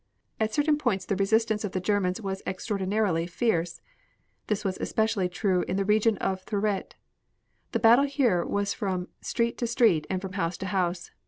At certain points the resistance of the Germans was extraordinarily fierce. This was especially true in the region of Thouret. The battle here was from street to street and from house to house.